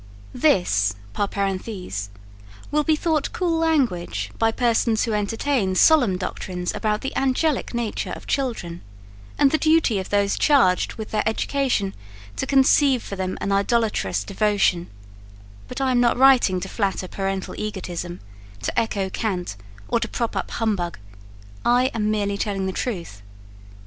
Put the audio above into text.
This, par parenthèse, will be thought cool language by persons who entertain solemn doctrines about the angelic nature of children, and the duty of those charged with their education to conceive for them an idolatrous devotion: but I am not writing to flatter parental egotism, to echo cant, or prop up humbug; I am merely telling the truth.